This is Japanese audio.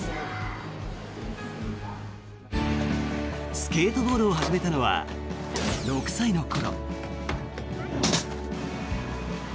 スケートボードを始めたのは６歳の頃。